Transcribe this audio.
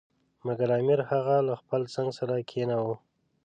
مګر امیر هغه له خپل څنګ سره کښېناوه.